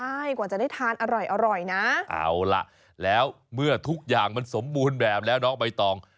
ใช่กว่าจะได้ทานอร่อยนะเอาล่ะแล้วเมื่อทุกอย่างมันสมบูรณ์แบบแล้วน้องใบตอง